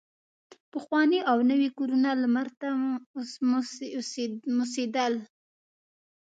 پخواني او نوي کورونه لمر ته موسېدل.